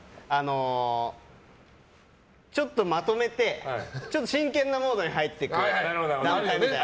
ちょっとまとめてちょっと真剣なモードに入っていく段階みたいな。